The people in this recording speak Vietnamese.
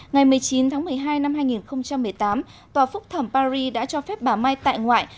ngày một mươi chín tháng một mươi hai năm hai nghìn một mươi tám tòa phúc thẩm paris đã cho phép bà mai tại ngoại